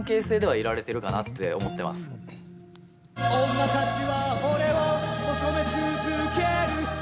「女たちは俺を求め続ける」